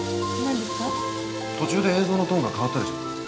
途中で映像のトーンが変わったでしょ？